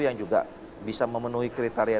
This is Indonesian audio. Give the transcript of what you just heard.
yang juga bisa memenuhi kriteria